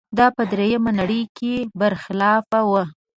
دا په درېیمې نړۍ کې برخلاف و.